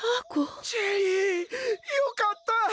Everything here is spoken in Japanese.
よかった！